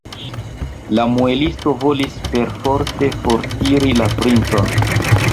La muelisto volis perforte fortiri la princon.